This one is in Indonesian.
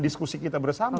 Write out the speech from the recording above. diskusi kita bersama